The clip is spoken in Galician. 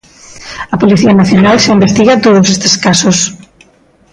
A Policía Nacional xa investiga todos estes casos.